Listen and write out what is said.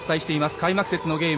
開幕節のゲーム